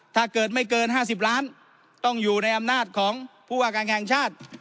ถ้าเกิดไม่เกิน๕๐ล้านต้องอยู่ในอำนาจของผู้ว่าการแข่งชาติ